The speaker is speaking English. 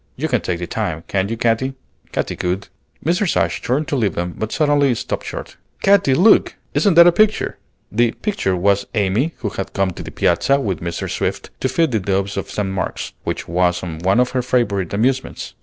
You can take the time, can't you, Katy?" Katy could. Mrs. Ashe turned to leave them, but suddenly stopped short. "Katy, look! Isn't that a picture!" The "picture" was Amy, who had come to the Piazza with Mrs. Swift, to feed the doves of St. Mark's, which was one of her favorite amusements.